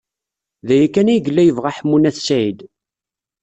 D aya kan ay yella yebɣa Ḥemmu n At Sɛid.